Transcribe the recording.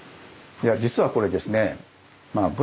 いや実はこれですねえっ